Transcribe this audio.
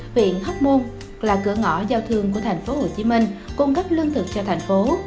huyện hóc môn là cửa ngõ giao thương của thành phố hồ chí minh cung cấp lương thực cho thành phố